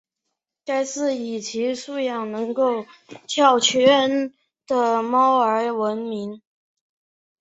该寺以其训养的能够跳圈的猫而闻名。